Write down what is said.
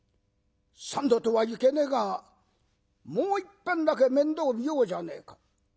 三度とはいけねえが『もういっぺんだけ面倒見ようじゃねえか』。